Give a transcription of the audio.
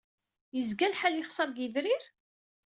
Yezga lḥal yexṣer deg Yebrir?